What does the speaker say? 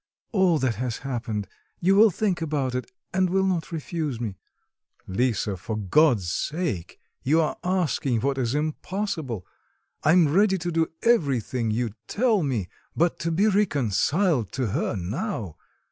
all that has happened. You will think about it and will not refuse me." "Lisa, for God's sake, you are asking what is impossible. I am ready to do everything you tell me; but to be reconciled to her now!...